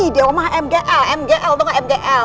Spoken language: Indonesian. dewa mah mgl mgl